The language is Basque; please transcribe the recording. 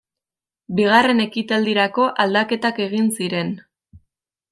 Bigarren ekitaldirako aldaketak egin ziren.